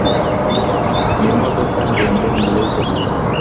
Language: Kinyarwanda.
nimodoka ndende murugo